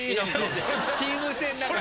チーム戦だから。